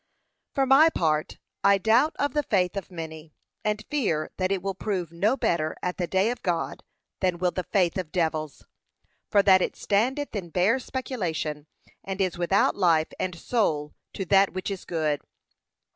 For my part I doubt of the faith of many, and fear that it will prove no better at the day of God than will the faith of devils. For that it standeth in bare speculation, and is without life and soul to that which is good.